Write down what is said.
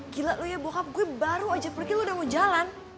gila lu ya bokap gue baru aja pergi lo udah mau jalan